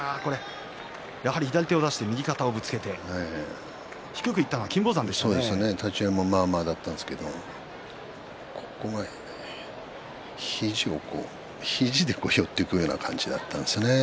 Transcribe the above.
やはり左を差して右肩をぶつけて、低くいったのは立ち合いもまあまあだったんですけれども肘で寄っていくような感じだったんですよね。